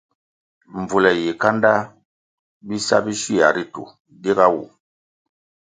Mbvule yi kanda bisa bi shywia ritu diga wu.